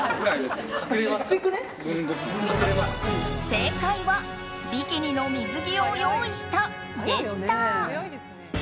正解はビキニの水着を用意したでした。